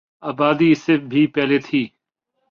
آبادی اس سے بھی پہلے تھی